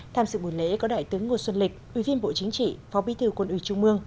tham dự buổi lễ có đại tướng ngô xuân lịch ủy viên bộ chính trị phó bí thư quân ủy trung mương